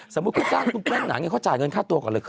สมมติเขาจ้างทุกแผ่นหนังไงเขาจ่ายเงินค่าตัวก่อนเลยครับ